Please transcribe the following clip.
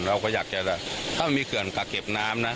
เราก็อยากจะถ้ามีเขื่อนกักเก็บน้ำนะ